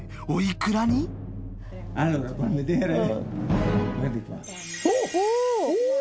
おお！